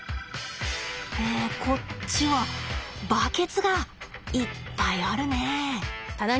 えこっちはバケツがいっぱいあるね。